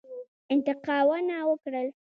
انتقاونه وکړل.